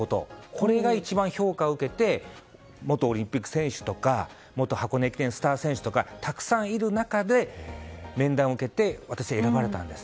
これが一番評価を受けて元オリンピック選手とか元箱根駅伝スター選手とかたくさんいる中で面談を受けて私が選ばれたんです。